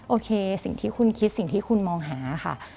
โอเคสิ่งที่คุณคิดสิ่งที่คุณมองหาค่ะ